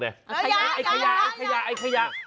ไอ้ขยะ